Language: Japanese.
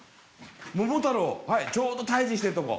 桃太郎ちょうど退治してるとこ。